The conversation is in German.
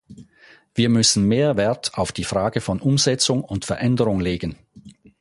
Wir müssen mehr Wert auf die Frage von Umsetzung und Veränderung legen.